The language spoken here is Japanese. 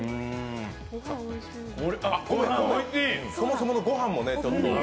そもそもの御飯もちょっと。